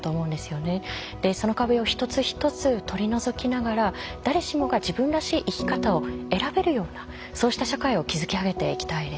でその壁を一つ一つ取り除きながら誰しもが自分らしい生き方を選べるようなそうした社会を築き上げていきたいですよね。